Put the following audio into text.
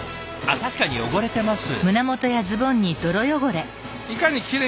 あっ確かに汚れてます。